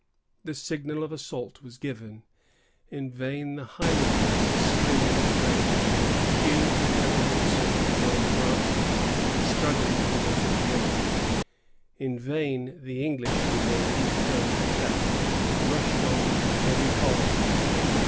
The signal of assault was given. In vain the Highlanders, screaming with rage, hewed with their broadswords among the branches, struggling to get at the enemy. In vain the English, with their deep toned shout, rushed on in heavy columns.